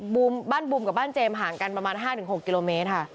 บ้านบุมกับบ้านเจมส์ห่างกันประมาณ๕๖กิโลเมตรค่ะ